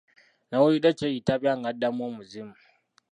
Nawulidde kyeyitabya nga addamu omuzimu.